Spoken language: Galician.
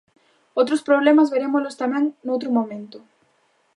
Outros problemas verémolos tamén noutro momento.